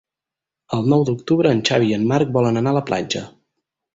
El nou d'octubre en Xavi i en Marc volen anar a la platja.